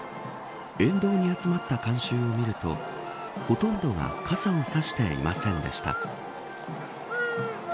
沿道に集まった観衆を見るとほとんどが傘を差していませんでした。